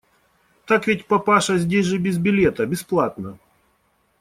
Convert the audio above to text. Так ведь, папаша, здесь же без билета, бесплатно!